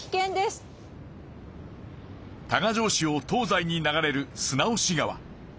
多賀城市を東西に流れる砂押川。